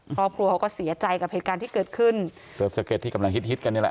เพราะครัวเขาก็เสียใจกับเหตุการณ์ที่เกิดขึ้นที่กำลังฮิตฮิตกันนี่แหละ